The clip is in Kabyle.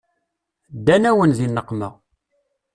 Ddan-awen di nneqma.